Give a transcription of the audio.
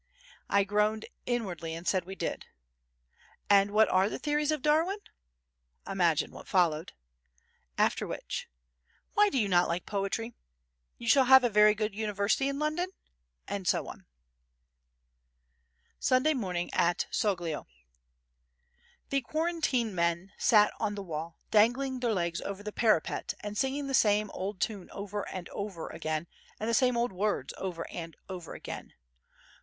I groaned inwardly and said we did. "And what are the theories of Darwin?" Imagine what followed! After which: "Why do you not like poetry?—You shall have a very good university in London?" and so on. Sunday Morning at Soglio The quarantine men sat on the wall, dangling their legs over the parapet and singing the same old tune over and over again and the same old words over and over again.